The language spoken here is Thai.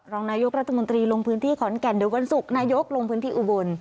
รองนายกรัฐมนตรีลงพื้นที่ขอนแก่นเดี๋ยววันศุกร์นายกลงพื้นที่อุบล